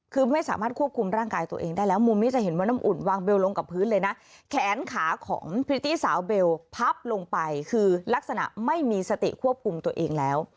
คือไม่สามารถควบคุมร่างกายตัวเองได้แล้วมุมนี้จะเห็นว่าน้ำอุ่นวางเบลลงกับพื้นเลยนะแขนขาของพริตตี้สาวเบลพับลงไปคือลักษณะไม่มีสติควบคุมตัวเองแล้ว